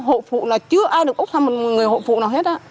hộ phụ là chưa ai được bốc thăm một người hộ phụ nào hết